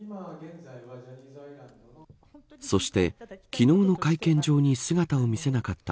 そして、昨日の会見場に姿を見せなかった